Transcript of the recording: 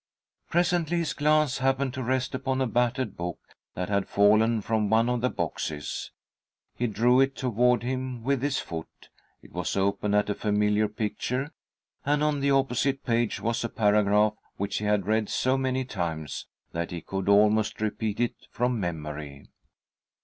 Presently his glance happened to rest upon a battered book that had fallen from one of the boxes. He drew it toward him with his foot. It was open at a familiar picture, and on the opposite page was a paragraph which he had read so many times, that he could almost repeat it from memory.